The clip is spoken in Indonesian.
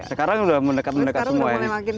sekarang sudah mendekat mendekat semua ini